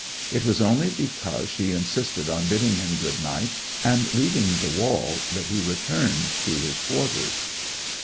It was only because she insisted on bidding him good night and leaving the wall that he returned to his quarters.